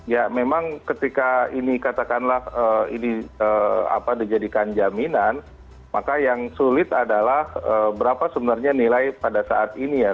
ya memang ketika ini katakanlah ini dijadikan jaminan maka yang sulit adalah berapa sebenarnya nilai pada saat ini ya